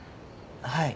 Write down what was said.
はい。